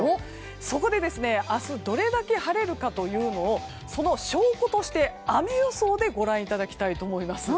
そこで明日どれだけ晴れるかというのをその証拠として雨予想でご覧いただきたいと思います。